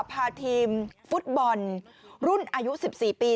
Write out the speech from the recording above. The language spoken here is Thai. พาทีมฟุตบอลรุ่นอายุ๑๔ปี